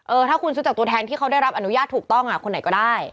ถ้าคุณซื้อจากตัวแทนที่เขาได้รับอนุญาตถูกต้องคนไหนก็ได้